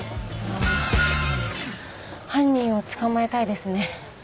犯人を捕まえたいですね。